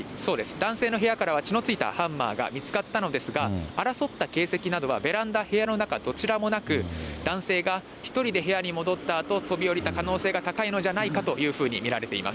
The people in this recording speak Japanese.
男性の部屋からは血のついたハンマーが見つかったのですが、争った形跡などはベランダ、部屋の中、どちらもなく、男性が１人で部屋に戻ったあと、飛び降りた可能性が高いのじゃないかというふうに見られています。